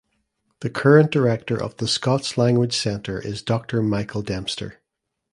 The current director of the Scots Language Centre is Dr Michael Dempster.